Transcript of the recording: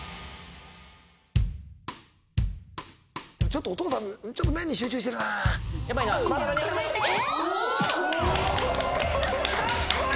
ちょっとお父さんちょっと麺に集中してるなかっこ